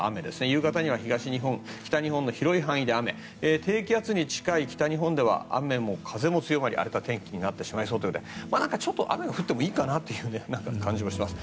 夕方には東日本、北日本の広い範囲で雨低気圧に近い北日本では雨も風も強まり荒れた天気になってしまいそうということでちょっと雨が降ってもいいかなという感じもします。